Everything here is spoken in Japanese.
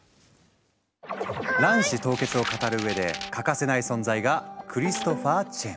卵子凍結を語る上で欠かせない存在がクリストファー・チェン。